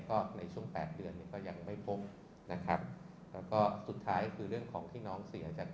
ก็ในช่วงแปดเดือนเนี่ยก็ยังไม่พบนะครับแล้วก็สุดท้ายคือเรื่องของที่น้องเสียจาก